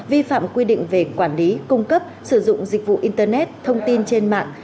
vi phạm quy định về quản lý cung cấp sử dụng dịch vụ internet thông tin trên mạng